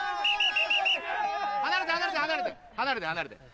離れて離れて離れて離れて離れて。